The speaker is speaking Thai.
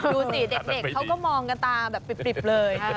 ดูสิเด็กเขาก็มองกันตาแบบปริบเลย